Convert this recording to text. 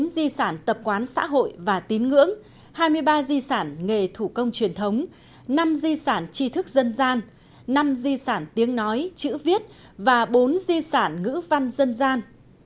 một mươi di sản tập quán xã hội và tín ngưỡng hai mươi ba di sản nghề thủ công truyền thống năm di sản tri thức dân gian năm di sản tiếng nói chữ viết và bốn di sản ngữ văn dân gian